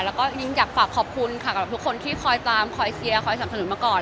แล้วก็ยิ่งอยากฝากขอบคุณค่ะกับทุกคนที่คอยตามคอยเชียร์คอยสับสนุนมาก่อน